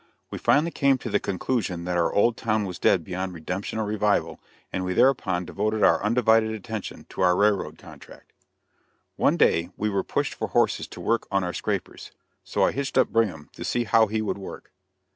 We finally came to the conclusion that our old town was dead beyond redemption or revival, and we thereupon devoted our undivided attention to our railroad contract. One day we were pushed for horses to work on our scrapers so I hitched up Brigham, to see how he would work.